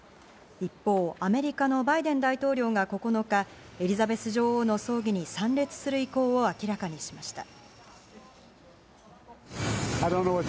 一方、アメリカのバイデン大統領が９日、エリザベス女王の葬儀に参列する意向を明らかにしました。